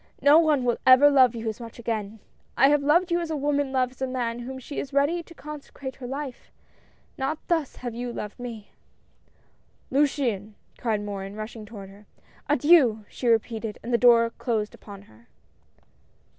"No one will ever love you as much again. I have loved you as a woman loves the man to whom she is ready to consecrate her life. Not thus have you loved me "" Luciane I " cried Morin, rushing toward her. " Adieu I " she repeated, and the door closed upon her.